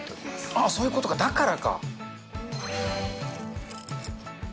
ああ、そういうことか、だからか。